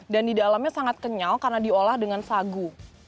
dan di dalamnya sangat kenyal karena diolah dengan sagu